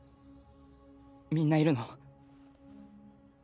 みんないるの？